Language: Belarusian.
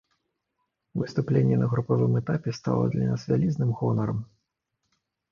Выступленне на групавым этапе стала для нас вялізным гонарам.